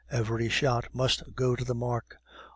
"Every shot must go to the mark!